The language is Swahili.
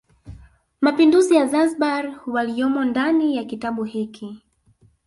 Mapinduzi ya Zanzibar waliyomo ndani ya kitabu hiki